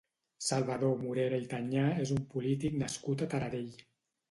Salvador Morera i Tanyà és un polític nascut a Taradell.